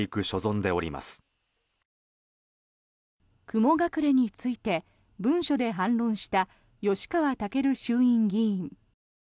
雲隠れについて文書で反論した吉川赳衆院議員。